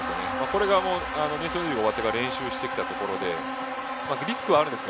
ネーションズリーグが終わってから練習してきたところでリスクはあるんです。